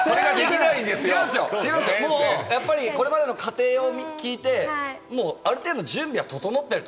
これまでの過程を聞いて、ある程度準備は整っている。